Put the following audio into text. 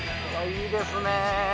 いいですね。